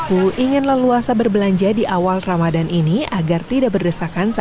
uangnya masih ada gitu kan